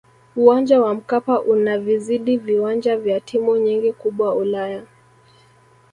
uwanja wa mkapa unavizidi viwanja vya timu nyingi kubwa ulaya